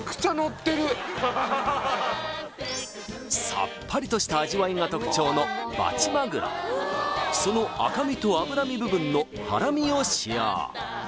さっぱりとした味わいが特徴のバチマグロその赤身と脂身部分のハラミを使用